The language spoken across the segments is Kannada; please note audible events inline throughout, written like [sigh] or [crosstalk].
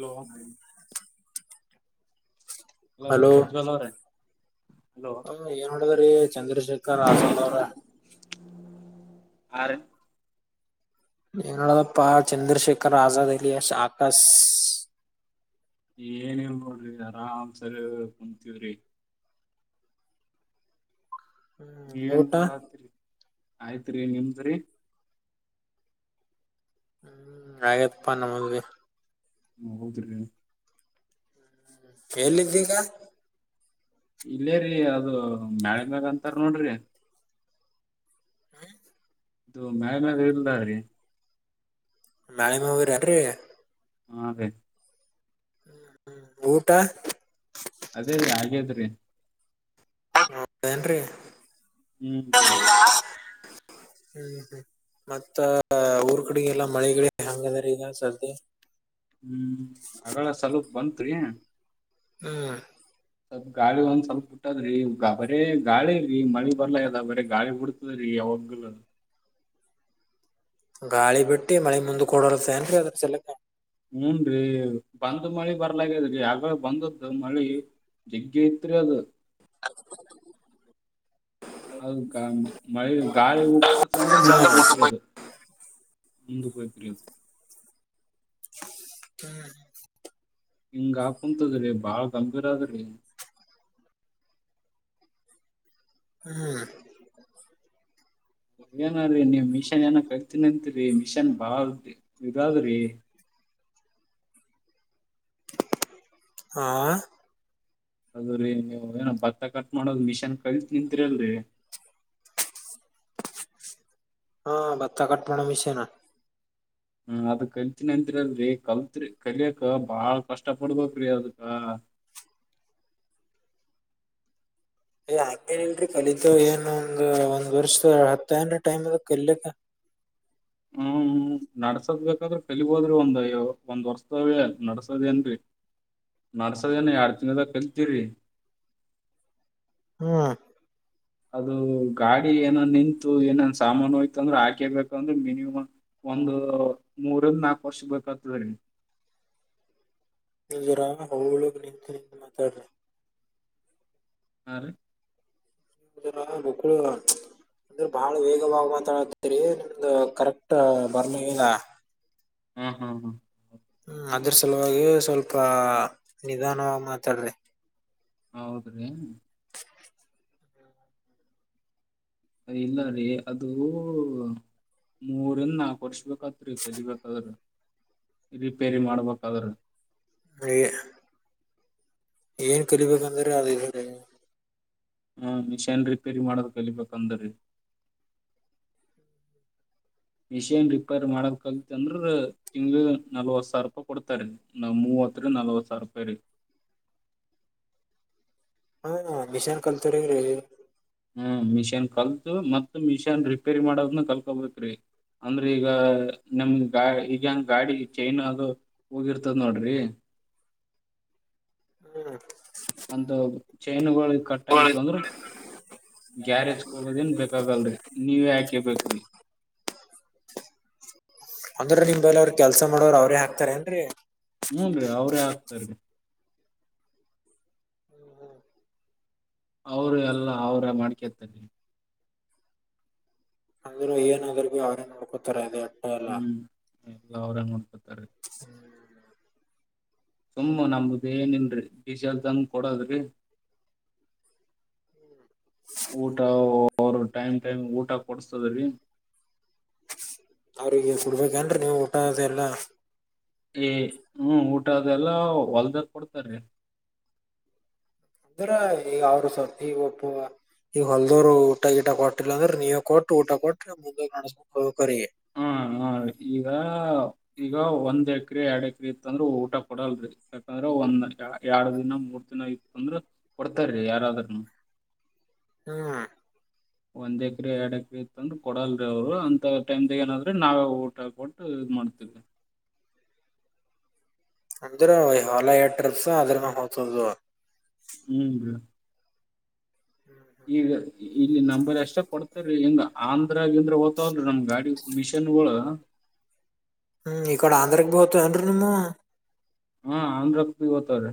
ಹಲೋ. ಹಲೋರಿ ಹಲೋ ಪ್ರಜ್ವಲ್ ಅವ್ರೆ - ಹ ಹೇಳುವ್ರಿ ಚಂದ್ರಶೇಖರ್ ಆಜಾದ್ ಅವ್ರ. ಆ.. ರಿ ಎನ್ ನಡದದಪ್ಪ ಚಂದ್ರಶೇಖರ್ ಆಜಾದ್ ಅಲಿಯಾಸ್ ಆಕಸ್ ಏನಿಲ್ಲ ನೋಡ್ರಿ ಆರಾಮ್ಸರ್ ಕುಂತವ್ರಿ ಹ್ಮ್ ನೀವೇನ್ ಊಟ ಮಾಡತಿರಿ? ಆಯ್ತ್ರಿ ನಿಮ್ದ್ರಿ. ಹ್ಮ್ ಆಗ್ಯದ ಪ್ಪ ನಮದ ಬಿ ಹೌದ್ರಿ.. ಎಲ್ಲಿದ್ದೀಗ? ಇಲ್ಲೇರಿ ಅದು ಮ್ಯಾಳಿಮ್ಯಾಲ ಅಂತಾರ ನೋಡ್ರಿ.. ಹ್ಮ ಇದು ಮ್ಯಾಳಿಮ್ಯಾಲ ಇಲ್ದ ರೀ ಮ್ಯಾಳಿ ಮ್ಯಾಲ ಹೋಗಿರಿ ಅನೃ ಹ.. ಗೆ ಊಟ? ಅದೇ ರೀ ಹಾಗೇದ್ರೀ. ಹದ ಏನ್ರಿ ಹ್ಮ್ ರ ಹ್ಮ್ ಹ್ಮ ಮತ್ತ ಊರ್ ಕಡೆಗೆ ಎಲ್ಲ ಮಳೆಗಳ ಹಂಗ ಅಂದ್ರ ಈಗ ಸದ ಹ್ಮ್ ಹಾಗಗಳ ಸ್ಲಪ ಬತ್ರಿ ಹ್ಮ್ ಸ್ವಲ್ಪ್ ಗಾಳಿ ಒಂದ್ ಸ್ವಲ್ಪ ಬಿಟ್ಟದ್ರಿ ಬರೇ ಗಾಳಿ ರೀ ಮಳಿ ಬರ್ಲಾ ಇದ ಬರ ಗಾಳಿ ಹುಡ್ ಸರಿ ಅವಾಗಲ್ಲ ಗಾಳಿ ಬಿಟ್ಟಿ ಮಳೆ ಮುಂದ ಕೊಡೋಲಸ ಏನ್ರಿ ಅದ್ರ ಚೆಲ್ಲಕ ಹೂನ್ೀ ಬಂದ್ ಮಳಿ ಬರ್ಲಾಗದ್ರಿ ಆ ಬಂದ್ದ ಮಳಿ ಜಜಗ್ಯ ಇತ್ರ ಅದು [inaudible] ಅೌದು ಗಾ ಮಳೆ ಗಾಯ ಉಟ್ಟಂದ ಮುಂದಕ್ಕೆ ಹಯ್ತೀರಿ ಅದು ಮುಂದುಪಯ್ ಪ್ರಿಯು ಹ್ಮ್ ಹಿಂಗಾ ಕುಂತದ್ರಿ ಬಾಳ ಗಂಭೀರ ಅದ್ರಿ ಹ್ಮ್ ಏನ್ರೀ ನೀವ್ ಮಿಷನ್ ಏನ ಕತೀನಂತರಿ ಮಿಷನ್ ಬಾಳ ಇದಾದ್ರಿ [inaudible] ಆಾ ಅದ್ರೀ ನೀವ ಏನ ಭತ್ತ ಕಟ್ ಮಾಡೋದು ಮಿಷನ್ ಕಳತ್ ನಿಂತೀರಿಲ್ರರಿ ಹಾ ಬತ್ತ ಕಟ್ ಮಾಡೋಣ ವಿಷಯನ ಹ್ಮ ಅದ ಕಲ್ತಿನಿ ಅಂತರಿಲ್ರರಿ ಕಲ್ತ್ರಿ ಕಲಿಯಕ್ ಬಾಳ ಕಷ್ಟ ಪಡ್ಬೇಕ್ರಿ ಅದಕ್ಕ [inaudible] ಏ ಹಂಗೇನ ಇಲ್ರರಿ ಕಲಿತು ಏನ್ ಒಂದ ಒಂದ್ ವರ್ಷದ ಹತ್ತ ಏನ್ ಟೈಮ್ ಅದ ಕಲಿಲಕ್ಕ [inaudible] ಹ್ಮ್ ನಡ್ಸದ್ ಬೇಕಾದ್ರೆ ಕಲಿ ಹೋದ್ರಿ ಒಂದ್ಯ್ಯ ಒಂದ್ ವರ್ಸದಾವೇ ಅ ನಡಸದೇ ಏನ್ರಿ ನಡ್ಸದೇಏನ ಎಡ್ ತಿಿನದ ಕಲ್ತರಿ ಹ್ಮ ಅದು ಗಾಡಿ ಏನನ್ ನಿಂತು ಏನೇನ್ ಸಾಮಾನುೋಯ್ತು ಅಂದ್ರೆ ಹಾಕಿರ್ಬೇಕ ಅಂದ್ರೆ ಮಿನಿಮಮ್ ಒಂದು ಮೂರಂದ ನಾಕು ವರ್ಷ ಬೇಕ್ತದೆ ನಿಜರಾಮ ಹಳೊಳಗೆ ನಿಂತು ನಿಂತು ಮಾತಾಡ್ರಿ ಆ ಗಕ್ಕಳ ಅಂದ್ರೆ ಬಾಳ ವೇಗವಾಗ ಮಾಂತಾತರಿ ನಿಮ್ದ ಕರೆಕ್ಟ್ ಬರ್ಮ ಇಿಲ್ಲ ಹ್ಮ ಹ್ಮ್ ಹ್ಮ ಹ್ಮ ಅದ್ರ ಸಲುವಾಗಿ ಸ್ವಲ್ಪ ನಿಧಾನವಗ್ ಮಾತಾಡ್ರಿ ಹೌದ್ರೀ [inaudible] ಇಲ್ಲ ರೀ ಅದು ಮೂರಂದ ನಾಲ್ಕು ವರ್ಷ ತ್ರಿ ಕಲಿಬೇಕಾದ್ರ ರಿಪೇರಿ ಮಾಡ್ಬೇಕಾದ್ರೆ ಎ ಏನ್ ಕಲಿಬೇಕಂದ್ರೆ [unintelligible] ಹ್ಮ ಮಿಷನ್ ರಿಪೇರಿ ಮಾಡೋದ್ ಕಲಿಬೇಕಂದ್ರೀ ಮಿಷೇನ್ ರಿಪೇರ್ ಮಾಡಕ್ ಕಲ್ತೆ ಅಂದ್ರ ತಿಂಗಳ್ಗೆ ನಲ್ವತ್ ಸಾವಿರ ರೂಪಾಯಿ ಕೊಡ್ತಾರೆ ನಮ್ ಊ ಮೂವತ್ತ ರಿಂದ ನಲ್ವತ್ತ ಸಾವಾರ್ ರೂಪೇ ರಿ ಹಾ ಮಿಷನ್ ಕಲ್ತರಿ ಲೆ ಹ್ಮ ಮಿಷನ್ ಕಲ್ತು ಮತ್ ಮಿಷನ್ ರಿಪೇರಿ ಮಾಡದ್ನ ಕಲ್ಕೋಬೇಕ್ರೀ ಅಂದ್ರ ಈಗ ನಮ ಗಾ ಈಗಂಗ ಗಾಡಿ ಚೈನ್ ಅದು ಹೋಗಿರ್ತದ ನೋಡ್ರಿ [inaudible] ಹ್ಮ್ ಅಂತು ಚೈನುಗಳು ಕಟ್ ಆಯಿತ್ತು ಅಂದ್ರೆ ಗ್ಯಾರೇಜ್ಗೆ ಹೋಗೋದೆನ್ ಬೇಕಾಗಲ್ರರಿ ನೀವೇ ಹಾಕೇ ಬೇಕ್ರಿ [inaudible] ಅಂದ್ರ ನಿಮ್ದೇಲ್ಲ ಅವ್ರರು ಕೆಲ್ಸ ಮಾಡೋರು ಅವ್ರೇ ಹಾಕ್ತಾರ ಏನ್ರರಿ ಹೂನ್ರಿ ಅವ್ರೇ ಹಾಕ್ತಾರಿ. ಹೌರಿ ಎಲ್ಲ ಅವ್ರ ಮಾಡ್ಕೇರ್ತಾರೆ ಹಂಗಾರೆ ಏನಾದ್ [unintelligible] ಅವ್ರ ನಡ್ಕೋತಾರೆ ಹ್ಮ್ ಎಲ್ಲ ಅವ್ರೆ ನೋಡ್ತ ಸುಮ್ಮ ನಮ್ದ ಏನನ್ರರಿ ಡೀಸೆಲ್ದಂಗ ಕೊಡದ್ರಿ ಊಟ ಅವರು ಟೈಮ್ ಟೈಮ್ ಊಟ ಕೊಡ್ಸ್ದ್ರಿ ಅವ್ರಿಗೆ ಕೊಡ್ಬೇಕೇನ್ ಕೆಂಡ್ರಿ ನೀವು ಊಟದೆಲ್ಲ ಏ ಹ್ಮ್ ಊಟ ಅದೆಲ್ಲ ಹೊಲ್ದಾಗ ಕೊಡ್ತಾರೀ ಅಂದ್ರ ಈಗ ಅವ್ರ ಸರ್ತಿ ಈಗ್ ಒಪ್ಪುವ ಈಗ ಹೊಲ್ದವ್ರು ಊಟ ಗೀಟ ಕೊಟ್ಟಿಲ್ಲ ಅಂದ್ರೆ ನೀವ ಕೊಟ್ಟು ಊಟ ಕೊಟ್ಟ್ರೆ ಮುಂದೆ ನಡಸ್ಬೆಕ್ ಹ್ಮ್ ಹ್ಮ್ ಈಗ ಈಗ ಒಂದ್ ಎಕರೆ ಎರಡ್ ಎಕ್ ಇತ್ ಅಂದ್ರ ಊಟ ಕೊಡಲ್ರಿ ಯಾಕಂದ್ರ ಒಂದ್ ಎರಡ್ ದಿನ ಮೂರ್ ದಿನ ಇತ್ತ ಅಂದ್ರ ಕೊಡ್ತಾರೀ ಯಾರಾದರನು ಹ್ಮ್ ಒಂದ್ ಎಕ್ರೆ ಎರಡ್ ಎಕ್ರೆ ಇತಂದ್ರ ಕೊಡಲ್ರಿ ಅವ್ರು ಅಂತ ಟೈಮದಾಗ್ ಏನಾದ್ರೆ ನಾವೇ ಊಟ ಕೊಟ್ಟು ಮಾಡ್ತಿಲ್ಲ ಅಂದ್ರೆ ಹೊಲ ಎಡ್ ಟ್ರಿಪ್ಸ ಅದ್ರನ ಹೋಗ್ತದು ಹ್ಮ್ದ ಈಗ ಇಲ್ಲಿ ನಂಬರ್ ಅಷ್ಟ ಕೊಡ್ತಾ [unintelligible] ಅ ಅಂದ್ರಗ್ ಇದ್ರೆ ನಮ್ ಗಾಡಿ ಮಿಷಿನ್ಗಳು ಹ್ಮ್ ಇಕಡ ಆಂಧ್ರಕ ಬೋತ ಅನ್ರು ನಿಮ್ಮವು ಹಾ ಆಂಧ್ರಕ್ ಓತಾವ್ರೆ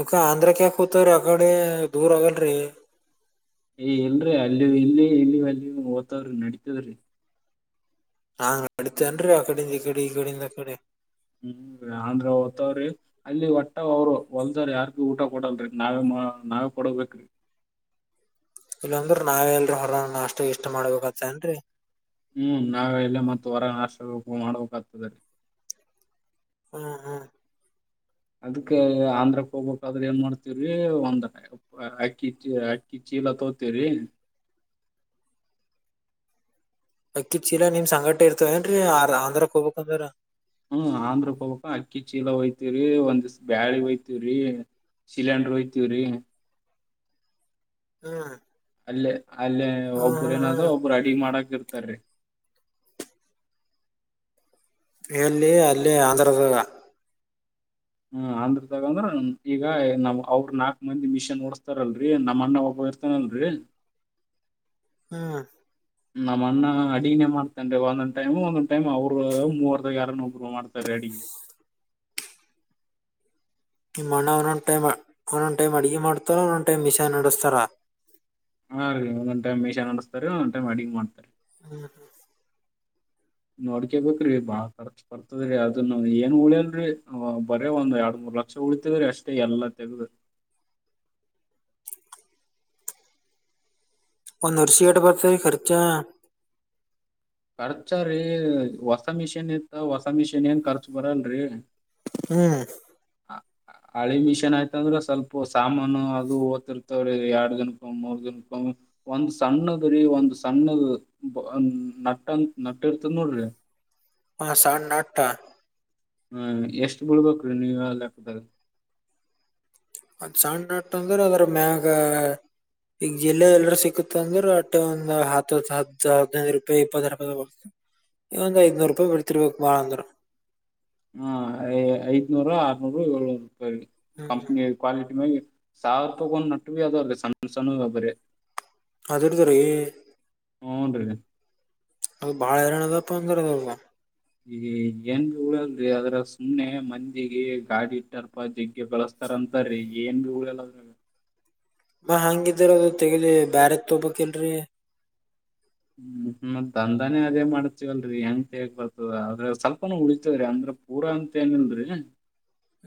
ಅಕ ಆಂಧ್ರ ಯಾಕ್ ಹೋತ್ರೀ ಆಗಡೆ ದೂರ ಹೊಗಲ್ರಿ ಏ ಇಲ್ರರಿ ಅಲ್ಲಿ ಇಲ್ಲಿ ಇಲ್ಲಿ ಅಲ್ಲಿ ಓ್ತವ್ರಿ ನಡಿತದ್ರಿ ಅಂ ನಡಿತೇನ್ರರಿ ಆ ಕಡಿಂದ ಈ ಕಡೆ ಈ ಕಡಿಂದ ಆ ಕಡೆ ಹ್ಮ್ ಅಂದ್ರ ಓದ್ತವ್ರಿ ಅಲ್ಲಿ ಒಟ್ಟ ಅವರು ಹೊಲ್ದರ್ ಯಾರ್ಗು ಊಟ ಕೊಡಲ್ರಿ ನಾವೇ ನಾವೇ ಕೊಡಬೇಕ್ರಿ ಇಲ್ಲಾಂದ್ರೆ ನಾವ ಎಲ್ರ ಹೊರ ನಾಷ್ಟ ಗಿಷ್ಟ ಮಾಡ್ಬೇಕತ್ತೇ ಏನ್ರರಿ ಹ್ಮ್ ನಾವೆ ಎಲ್ಲ ಮತ್ತ ಹೊರಗ ನಾಷ್ಟ ಮಾಡ್ಬೇಕಾಗ್ತದೆ ಹ್ಮ ಹಾ ಅದಕ್ ಆಂಧ್ರಕ್ಕೆ ಹೋಗ್ಬೇಕಾದ್ರೆ ಏನ್ ಮಾಡ್ತವ್ರಿ ಒಂದ ಅಕ್ಕಿಚ್ಚಿ ಅಕ್ಕಿಚ್ಚಿ ಚೀಲ ತೋಕೊತೀವಿ ರಿ ಅಕ್ಕಿತ್ ಚೀಲಾ ನಿಮ್ ಸಂಗಟೆ ಇರ್ತವ ಏನ್ರೀ ಆ ಆಂಧ್ರಕ್ ಹೋಗಬೇಕಂದ್ರ ಹ್ಮ್ ಆಂದ್ರ ಹೋಗ್ಬೇಕಂದ್ರ ಅಕ್ಕಿ ಅಕ್ಕಿ ಚೀಲ ಹೊಯ್ತೀವಿ ಒಂದ್ಸ್ ಬ್ಯಾಳಿ ಹೊಯ್ತವ್ರಿ ಸಿಲೆಂಡ್ರ್ ಹಯ್ತವ್ರಿ ಹ್ಮ್ ಅಲ್ಲೇ ಅಲ್ಲೇ ಹಾ ಒಬ್ಬರು ಹಾ ಏನಾದ್ ಒಬ್ಬರು ಅಡಿಗ ಮಾಡಕ ಇರ್ತಾರಿ. ಎಲ್ಲಿ ಅಲ್ಲಿ ಆಂಧ್ರದಗ ಹ್ಮ ಅಂದ್ರದಾಗಂದ್ರ ಈಗ ನಾವ್ ಅವ್ರ ನಾಕ್ ಮಂದಿ ಮಿಷನ್ ಓಡಸ್ತಾರಲ್ರರಿ ನಮ್ಮ್ ಅಣ್ಣ ಒಬ್ಬ ಬರ್ತಾನಲ್ಲ ರೀ ಹ್ಮ ನಮ್ಮ ಅಣ್ಣ ಅಡಿಗಿನೆ ಮಾಡ್ತಾನನ್ ಒಂದೊಂದ್ ಟೈಮ ಒಂದ್ ಟೈಮ್ ಅವ್ರು ಮೂವರ್ದಾಗ ಯಾರನ್ನ ಒಬ್ರು ಮಾಡ್ತಾರೆ. ಅಡಿಗಿ ನಿಮ್ಮ ಅಣ್ಣ ಒಂದೊಂದ್ ಟೈಮ್ ಒಂದೊಂದು ಟೈಮ್ ಅಡಗೆ ಮಾಡ್ತಾರ ಒಂದೊಂದ್ ಟೈಮ್ ಮಿಷನ್ ನಡೆಸ್ತಾರ. ಹಾ ರೀ ಒಂದೊಂದು ಟೈಮ್ ಮಿಷನ್ ನಡೆಸ್ತಾರ್ರಿ ಒಂದು ಟೈಮ್ ಅಡಿಗೆ ಮಾಡ್ತಾರೆ [inaudible] ನೋಡ್ಕೇಬೇಕ್ರಿ ಬಾಳ ಖರ್ಚ್ ಬರ್ತದ್ರೀ ಅದನ್ನ ಏನ್ ಉಳಿಯಲ್ರರಿ ಬರೇ ಒಂದ್ ಎರಡ್ ಮೂರ್ ಲಕ್ಷ ಉಳಿತದ್ರಿ ಅಷ್ಟೇ ಎಲ್ಲ ತೆಗೆದು ಒಂದು ವರ್ಷಕ್ಕೆ ಏಟ ಬರ್ತಾ ಇದ್ರಿ ಕರ್ಚ ಖರ್ಚು ರೀ ಹೊಸ ಮಿಷಿನ್ ಇತ್ತ ಹೊಸ ಮಿಷಿನ್ ಏನ್ ಖರ್ಚು ಬರಲ್ರಿ ಹ್ಮ್ ಹ ಹಳಿ ಮಿಷನ್ ಆಯ್ತ ಅಂದ್ರೆ ಸ್ವಲ್ಪ ಸಾಮಾನು ಅದು ಓದತಿರ್ತವ್ರೀ ಎರಡು ದಿನಕೊಮ್ಮೆ ಮೂರ್ ದಿನಕ್ಕೊಮ್ಮೆ ಒಂದ್ ಸಣ್ಣದ್ರಿ ಒಂದ್ ಸಣ್ಣದ ನಟ್ಟಂತ ನಟ್ಟ ಇರ್ತದ ನೋಡ್ರಿ ಹಾ ಸಣ್ಣ ನಟ್ಟ ಹ್ಮ ಎಷ್ಟ್ ಬಿಳ್ಬೇಕ್ರೀ ನೀವ ಹೇಳ್ ಲೆಕ್ಕದಗ ಅ ಅದು ಸಣ್ಣ ನಟ್ಟಂದ್ರ ಅದರ ಮ್ಯಾಗ ಈಗ ಜಿಲ್ಲೆ ಎಲ್ರ ಸಿಕ್ತ್ ಅಂದ್ರ ಅಟ್ಟೆ ಒಂದ್ ಹತ್ತ ಹತ್ತು ಹದನೈದು ರೂಪಾಯಿ ಇಪ್ಪತ್ತು ರೂಪಾಯಿದಾಗ ಈ ಒಂದ್ ಐದ್ನೂರು ರೂಪಾಯಿ ಬಿಡ್ತಿರ್ಬೇಕು ಬಾಳ ಅಂದ್ರ ಹಾ ಐದನೂರು ಆರನೂರ್ ಏಳ್ನೂರು ರೂಪಾಯಿ ಹ್ಮ್ ಕಂಪ್ನಿ ಕ್ವಾಲಿಟಿ ಮ್ಯಾಗ್ ಇರತ್ತ ಸಾವಿರ ರೂಪಾಯಿ ಕೊಂದ ನಟ್ಟರಿ ಅದಾವ್ ಸಣ್ಣ ಸಣ್ಣದವ ಬರೇ ಅದುಡ್ತಾರೆ ಹೂನ್ ರೀ ಅದು ಬಾಳ ಹೈರಾಣ ಅದಪ್ಪ ಅಂದ್ರ ಅದ ಈ ಯಂಗ್ ಉಳ ಅದ್ರ ಸುಮ್ನೆ ಮಂದಿಗೆ ಗಾಡಿ ಇಟ್ಟಾರಪ ಜಗ್ಗೆ ಗಳಸ್ತಾರ ಅಂತ ರೀ ಏನ್ ಬಿಳಲ್ಲದ್ರಾಗ ಮ ಹಂಗಿದ್ದೀರ ಅದು ತೆಗದಿ ಬ್ಯಾರದ ತೊಬಕ್ಲ್ರರಿ ಹ್ಮ್ ಮತ್ತ್ ದಂದಾನೇ ಅದೇ ಮಾಡ್ತವಲ್ರಿ ಹೆಂಗ ತೇಗಕ್ಬರ್ತದ ಆದ್ರೆ ಸ್ವಲ್ಪನ ಉಳಿತೇದ ರೀ ಅಂದ್ರ ಪೂರಾ ಅಂತ ಏನಿಲ್ರಿ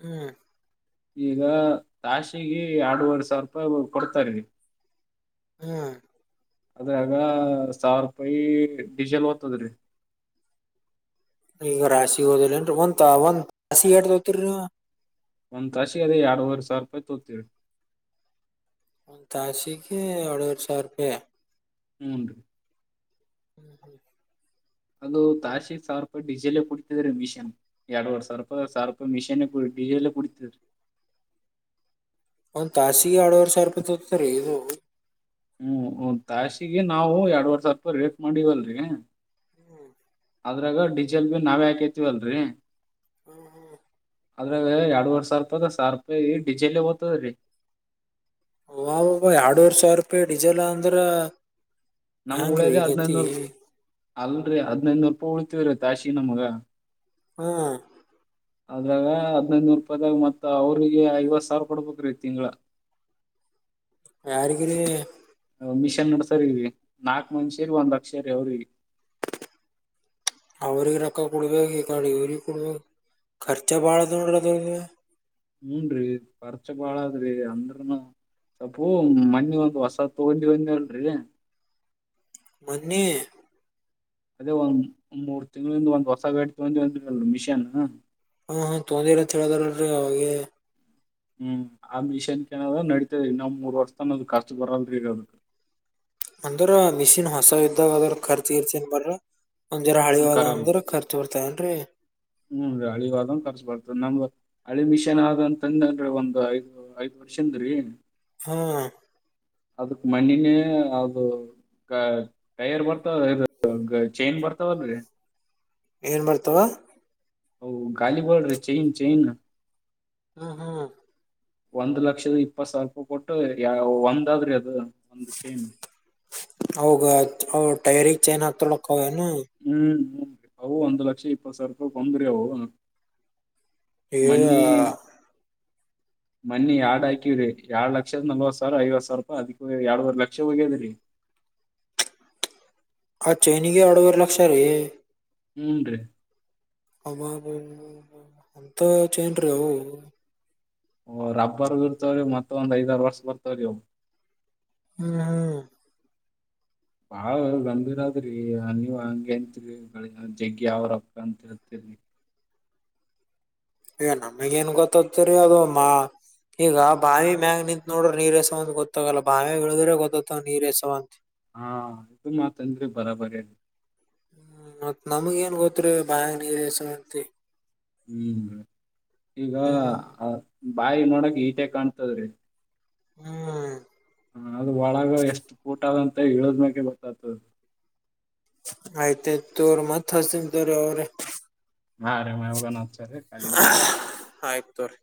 ಹ್ಮ್ ಈಗ ರಾಶಿಗೆ ಎರಡು ವರೆ ಸಾವಿರ ರೂಪಾಯಿ ಕೊಡ್ತಾರಿ ಹ್ಮ್ ಅದ್ರಾಗ ಸಾವಿರ ರೂಪಾಯಿ ಡೀಸೆಲ್ ಹೋತದರಿ ಈಗ ರಾಶಿ ಹೋದಿಲ್ಲನ್ರಿ ಒಂದ ಒಂದ್ ರಾಶಿ ಎಟ್ ತಗೋಂತಿರಿ ನೀವ ಒಂದ್ ತಾಸಿಗೆ ರೀ ಎರಡು ವರೆ ಸಾವಿರ ರೂಪಾಯಿ ತಗೋಂತಿವಿ ರೀ ಒಂದ ತಾಸಿಗೆ ಎರಡು ವರೆ ಸಾವಿರ ರೂಪಾಯಿ ಹೂನ್ ರೀ ಹ್ಮ್ ಹ್ಮ್ ಅದು ತಾಸಿ ಸಾವಿರ ರೂಪಾಯಿ ಡಿಸೆಲೆೇ ಕುಡಿತಿದ್ರೀ ಮಿಷನ್ ಎಡವರೆ ಸಾವಿರ ರೂಪಾಯಿ ಸಾವಿರ್ ರೂಪಾಯಿ ಮಿಷನ್ ಡಿಸೇಲ್ ಕುಡಿತದ ಒಂದ್ ತಾಸಿಗೆ ಎಡವರೆ ಸಾವಿರ ರೂಪಾಯಿ ತಗೋಂತಾತಿ ರೀ ಇದು ಹ್ಮ್ ಒಂದ್ ತಾಸಿಗೆ ನಾವು ಎರಡುವರೆ ಸಾವಿರ ರೂಪಾಯಿ ರೇಟ್ ಮಾಡಿವಲ್ರಿ ಅದ್ರಾಗ ಡೀಜೆಲ್ ಬಿ ನಾವೇ ಹಾಕೈತಿವ ಅಲ್ರಿ ಹ್ಮ ಹ್ಮ ಆದದ್ರಾಗ ಎರಡ್ೂವರ್ ಸಾವಿರ ರೂಪಾಯಿ ಅದ ಸಾವಿರ ರೂಪಾಯಿ ಡಜೆಲ್ ದ್ತದ್ರಿ ಹ ಎರಡ್ನೂರು ಸಾವಿರ ರೂಪಾಯಿ ಡೀಿಸೆಲ್ ಅಂದ್ರ ನಮ್ಮ್ ಹ್ಯಾಂಗ್ರಿ ಉಳದ ಗತಿ ಹದಿನೈನೂರು ಅಲ್ರರಿ ಹದ್ಿನೈನೂರು ರೂಪಾಯಿ ಉಳಳ್ತಿೀವ್ರೀ ತಾಶಿ ನಮಗ ಹ್ಮ ಅದ್ರಾಗ ಹದ್ನೈದನೂರು ರೂಪಾಯಿದಾಗ ಮತ್ತತ್ ಅವ್ರಿಗೆ ಐವತ್ ಸಾವಿರ ಕೊಡ್ಬೇಕ್ರೀ ತಿಂಗಗಳ [inaudible] ಯಾರಗ ಮಿಷನ್ ನಡ್ಸರಿ ನಾಕ್ ಮಂದಷೇರಿ ಒಂದ್ ಲಕ್ಷೇರಿ ಅವ್ರಿಗೆ ಅವ್ರಿಗೆ ರೊಕ್ಕ ಕೊಡ್ಬೇಕೇು ಈ ಕ ಇವ್ರಿಗೆ ಕೊಡ್ಬೇಕ ಖರ್ಚ ಬಾಳ ನೋಡ್ರ ಅದ ಹೂನ್ ರೀ ಪರಚ ಬಾಳಾದ ರೀ ಅಂದ್ರಮ ಸ್ವಲ್ಪ ಮಣಿ ಒಂದ ಹೊಸ ತಗೊಂಡಿ ಒಂದ ಹೇಳ್ರರಿ ಮನ್ನ ಅದೇ ಒಂದ್್ ಮೂರು ತಿಂಗಳಿಂದ ಒಂದ್ ಹೊಸ ಗೇಡ್ ತಗೊಂಡಿ ಒಂದಲ್ ಮಿಷನ್ ಹ್ಮ ಹ್ಮ ತೊಂದಿ ಇಲ್ಲ ಚಳದಾರಲ್ರಿ ಅವೆ ಹ್ಮ್ ಆ ಮಿಷನ್ ಏನ ನಡಿತತದ ಇ ನಾವ್ ಮೂರ್ ವರ್ಷ ತಾನ ಅದ ಕಷ್ಟ ಬರಲ್ರಿ ಇರದಕ್ [inaudible] ಅಂದ್ರ ಮಿಷಿನ್ ಹೊಸ ಇದ್ದಾಗ ಅದ್ರ ಖರ್ಚ ಇರ್ತನ್ ಬರ್ರ ಒಂದಜರ ಹಳಿ ಹದ ಕರಲ್ ಅಂದ್ರೆ ಖರ್ಚು ಬರ್ತಾನ್ರರಿ ಹ್ಮ್ ರಳಿ ವಾದ ಬರ್ತ ನಮ್ ಅಳಮಿಷನ್ ಆದಂತಂದ ಅಂದ್ರೆ ಒಂದ್ ಐದ್ ಐದ್ ವರ್ಷ ಅಂದ್ರೆ ಹ್ಮ್ ಅದಕ್ ಮಣಿನೇ ಅದು ಟೈರ್ ಬರ್ತಾ ಚೈನ್ ಬರ್ತಾವಲ್ರಿ ಏನ್ ಬರ್ತಾವ ಹೌ ಗಾಾಲಿಬ್ರ ಚೈನ್ ಚೈನ್ ಹ್ಮ್ ಹ್ಮ್ ಒಂದ್ ಲಕ್ಷದ ಇಪ್ಪತ್ ಸಾವಿರ ರೂಪಾಯಿ ಕೊಟ್ಟು ಯಾವ ಒಂದ ಆದ್ರಿ ಅದು ಹೌೋಗ ಟಯರಿ ಚೇಂಜ್ ಆಗ್ತೊಳಕ್ಕನ ಹ್ಮ್ ಅವು ಒಂದಂದು ಲಕ್ಷ ಇಪ್ಪತ್ ಸಾವಿರ ರೂಪಾಯ್ ಕೊಂದ್ರಿ ಅವು ಮನ್ನಿ [inaudible] ಮನ್ನಿ ಎರಡ್ ಹಾಕಿವವ್ರಿ ಎರಡ್ ಲಕ್ಷದ ನಲ್ವತ್ ಸಾವಿರ ಐವತ್ ಸಾವಿರ ರೂಪ ಅಿಕ್ಕ ಎರಡ್ುವವರ್ ಲಕ್ಷ ಹೋಗ್ಯದ್ರಿ [inaudible] ಅ ಚೆ ಇನಿಗೆ ಎರಡುವರೆ ಲಕ್ಷ ರೀ ಮೂಂದು ಅ ಅಂತ ಚನ್ ರೀವು ಓ ರಬ್ಬರ್ ಇರ್ತವ್ರೀ ಮತ್ತೊಂದ್ ಐದಾರು ವರ್ಷ ಬರ್ತವ್ರಿ ಅವ ಹ್ಮ್ ಹ್ಮ್ ಬಾಳ ಗಂಭೀರ ಅ ಆದ್ರಿ ನೀವ್ ಹಂಗಗೆತ್ರಿ ಜಗ್ಗಿ ಯಾವ್ರಕ್ಕ ಅಂತ ಹೇಳ್ತೇರಿ [inaudible] ಯ ನಮಗ ಏನ್ ಗೊತ್ತತ್ತರಿ ಅದುಮ್ಮ ಈಗ ಬಾವಿ ಮ್ಯಾಗ ನಿಂತತ್ ನೋಡ್ರೆ ನೀರ್ಸವ ಅಂತ ಗೊತ್ತಾಗಲ್ಲ ಬಾವಿ ಇಳಿದ್ರೆ ಗೊತ್ತವ ನೀರ್ ಎಸವ ಅಂತ ಹಾ ಇದು ಮಾತಂದ್ರೆ ಬರಾಬರಿ ಹ್ಮ್ ಮತ್ ನಮಗ ಏನ್ ಗೊತ್ರರಿ ಬಾ ನೀರ್ಸಂತಿ ಹ್ಮ್ ಈಗ ಹ್ಮ್ ಬಾಯಿ ನೋಡಕ್ ಹೀಟೆ ಕಾಣ್ತದ್ರಿ ಹ್ಮ್ ಹ ಅದು ಒಳಗ ಎಷ್ಟು ಕೂಟ ಅದಂತ ಹೇಳಳದ್್ಮ್ಯಕೆ ಗೊತ್ತತ ಆಯ್ತ ತೋರ್ ಮತ್ ಹಸತಾರೆ ಅವರೇ ಹಾ ಅ ರೇ ಮವುೋಗಾನ ಅತ ರ ಕಖಾಲಿ್ದ ಆಯ್ತ್ ತೋರಿ